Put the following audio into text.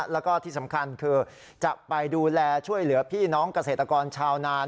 แล้วก็ที่สำคัญคือจะไปดูแลช่วยเหลือพี่น้องเกษตรกรชาวนาน